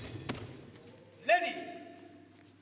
レディー。